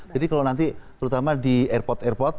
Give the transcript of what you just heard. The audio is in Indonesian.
jadi kalau nanti terutama di airport airport